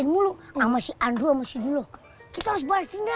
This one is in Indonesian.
apa apa tau gak akilah sama ratu itu di jahit ya